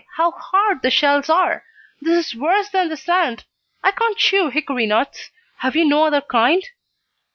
How hard the shells are! This is worse than the sand! I can't chew hickory nuts! Have you no other kind?"